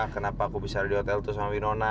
kenapa aku bisa ada di hotel itu sama winona